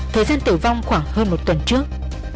thời gian tử vong khoảng hơn một tuần trước